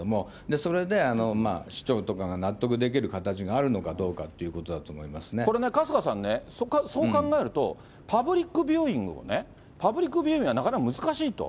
それで市長とかが納得できる形があるのかどうかっていうことだとこれね、春日さんね、そう考えると、パブリックビューイングをね、パブリックビューイングがなかなか難しいと。